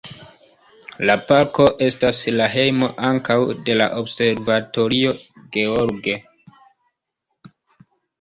La parko estas la hejmo ankaŭ de la Observatorio George.